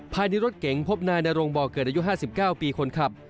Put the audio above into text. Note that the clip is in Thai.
ภายในรถเก๋งพบนายนรงบ่อเกิดอายุ๕๙ปีคนขับ